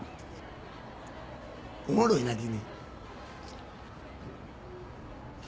おもろいな君。